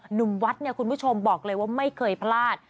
หนุ่มวัดเนี่ยคุณผู้ชมบอกเลยว่าไม่เคยพลาด